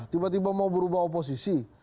tiba tiba mau berubah oposisi